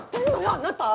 あなた！